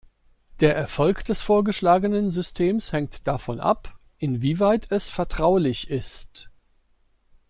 Der Erfolg des vorgeschlagenen Systems hängt davon ab, inwieweit es vertraulich ist.